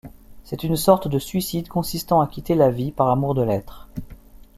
C'est une sorte de suicide consistant à quitter la vie par amour de l'Être.